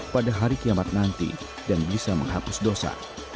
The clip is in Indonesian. pada hari kiamat nanti dan bisa menghapus dosa